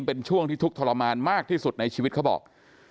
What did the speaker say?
เป็นช่วงที่ทุกข์ทรมานมากที่สุดในชีวิตเขาบอก